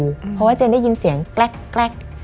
เพราะว่าเจนได้ยินเสียงแกรก